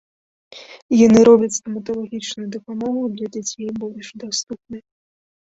Яны робяць стаматалагічную дапамогу для дзяцей больш даступнай.